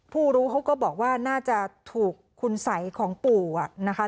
ผู้รู้เขาก็บอกว่าน่าจะถูกคุณสัยของปู่นะคะ